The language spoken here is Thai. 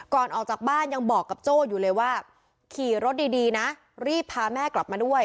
ก่อนออกจากบ้านยังบอกกับโจ้อยู่เลยว่าขี่รถดีนะรีบพาแม่กลับมาด้วย